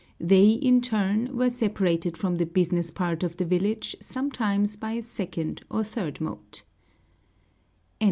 They in turn were separated from the business part of the village sometimes by a second or third moat.